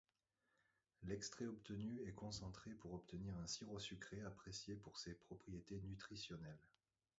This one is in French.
L'extrait obtenu est concentré pour obtenir un sirop sucré apprécié pour ses propriétés nutritionnelles.